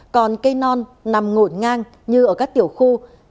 còn cây non nằm ngổn ngang như ở các tiểu khu sáu trăm bốn mươi chín sáu trăm năm mươi